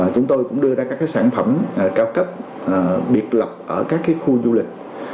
chúng tôi cũng đưa ra các sản phẩm cao cấp biệt lập ở các khu du lịch